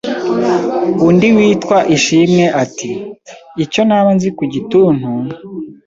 Undi witwa Ishimwe, ati “Icyo naba nzi ku gituntu